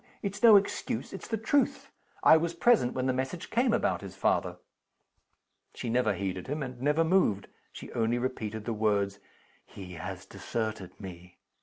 It's no excuse it's the truth. I was present when the message came about his father." She never heeded him, and never moved. She only repeated the words "He has deserted me!"